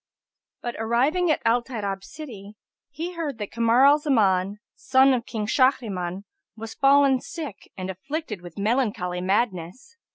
But arriving at Al Tayrab city, he heard that Kamar al Zaman, son of King Shahriman, was fallen sick and afflicted with melancholy madness.